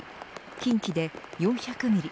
近畿で４００ミリ